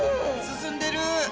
進んでる。